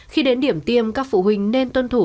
khi đến điểm tiêm các phụ huynh nên tuân thủ